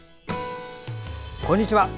こんにちは。